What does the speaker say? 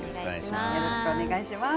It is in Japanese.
よろしくお願いします。